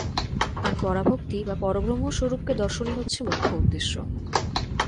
আর পরাভক্তি বা পরব্রহ্মস্বরূপকে দর্শনই হচ্ছে মুখ্য উদ্দেশ্য।